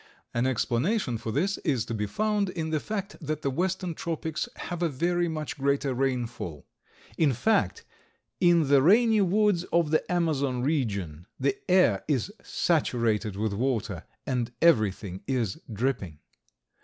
An explanation for this is to be found in the fact that the western tropics have a very much greater rainfall; in fact, in the rainy woods of the Amazon region the air is saturated with water, and everything is dripping.